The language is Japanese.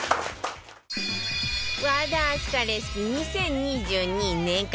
和田明日香レシピ２０２２年間